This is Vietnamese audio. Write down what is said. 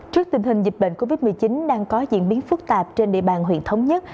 trước tình hình dịch bệnh covid một mươi chín đang có diễn biến phức tạp trên địa bàn huyện thống nhất